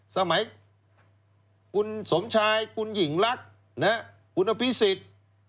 สมัยคุณสมชายคุณหญิงลักษณ์คุณอภิษฎ